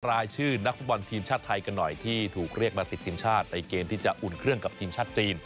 รายชื่อนักฟุตบอลทีมชาติไทยกันหน่อยที่ถูกเรียกมาติดทีมชาติในเกมที่จะอุ่นเครื่องกับทีมชาติจีน